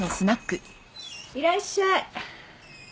いらっしゃい